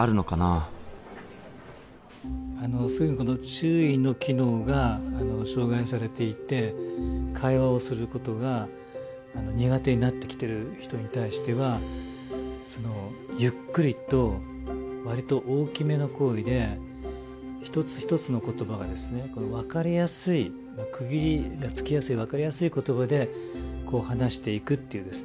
注意の機能が障害されていて会話をすることが苦手になってきてる人に対してはゆっくりと割と大きめの声で一つ一つの言葉がですね分かりやすい区切りがつきやすい分かりやすい言葉で話していくっていうですね